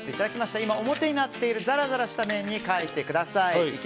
今、表になっているザラザラした面に描いてください。